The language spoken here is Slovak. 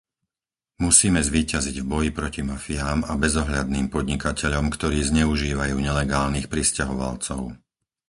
Musíme zvíťaziť v boji proti mafiám a bezohľadným podnikateľom, ktorí zneužívajú nelegálnych prisťahovalcov.